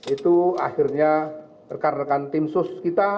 itu akhirnya rekan rekan tim sosial